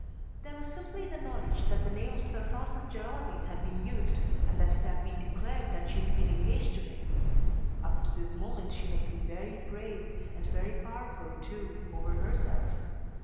There was simply the knowledge that the name of Sir Francis Geraldine had been used, and that it had been declared that she had been engaged to him. Up to this moment she had been very brave, and very powerful, too, over herself.